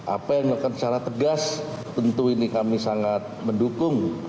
apa yang dilakukan secara tegas tentu ini kami sangat mendukung